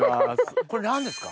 これ何ですか？